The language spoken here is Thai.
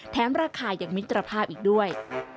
แท้มราคาอย่างมิตรภาพอีกด้วย